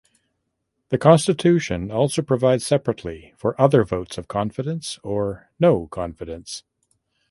The Constitution also provides separately for other votes of confidence or no confidence.